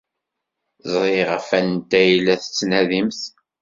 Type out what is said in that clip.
Ẓriɣ ɣef wanta ay la tettnadimt.